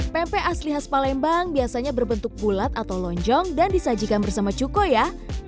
pempek asli khas palembang biasanya berbentuk bulat atau lonjong dan disajikan bersama cuko ya